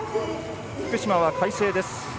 福島は快晴です。